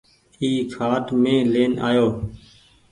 اي کآٽ مين لين آئو۔